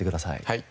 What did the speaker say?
はい。